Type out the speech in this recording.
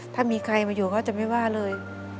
ถ้ามีใครมาอยู่เขาจะไม่ว่าเลย